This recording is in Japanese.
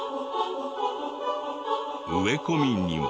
植え込みにも。